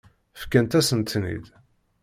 Fkant-asent-ten-id.